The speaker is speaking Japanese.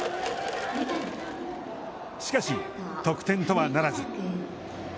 しかし得点とはならず。